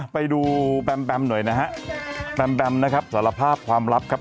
ไปดูแบมแบมหน่อยนะฮะแบมแบมนะครับสารภาพความลับครับ